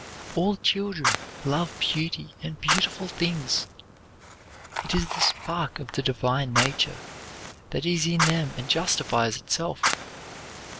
All children love beauty and beautiful things. It is the spark of the divine nature that is in them and justifies itself!